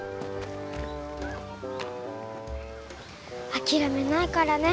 諦めないからね。